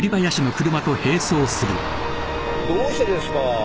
どうしてですか？